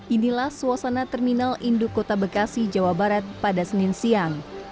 inilah suasana terminal induk kota bekasi jawa barat pada senin siang